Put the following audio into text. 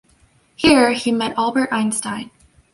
Here he met Albert Einstein.